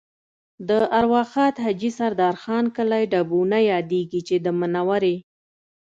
د ارواښاد حاجي سردار خان کلی ډبونه یادېږي چې د منورې